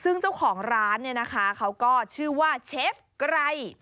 ซึ่งเจ้าของร้านเนี่ยนะคะเขาก็ชื่อว่าเชฟไกร